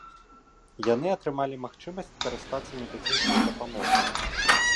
Яны атрымалі магчымасць карыстацца медыцынскай дапамогай.